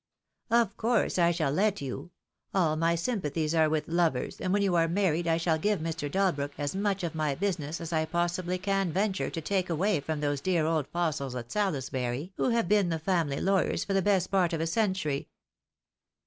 "Of course I shall let you. All my sympathies are with lovers, and when you are married I shall give Mr. Dalbrook as much of my business as I possibly can ven ture to take away from those dear old fossils at Salisbury, who have been the family lawyers for the best part of a century."